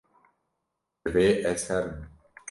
Divê ez herim.